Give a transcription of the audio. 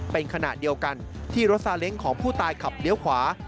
เป็นขณะเดียวกันที่รถซาเล้งของผู้ตายขับเลี้ยวขวา